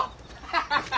ハハハ！